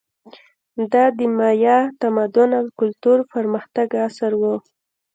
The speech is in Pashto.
دا د مایا تمدن او کلتور پرمختګ عصر و.